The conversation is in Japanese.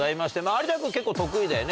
有田君結構得意だよね。